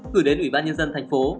gửi đến ủy ban nhân dân thành phố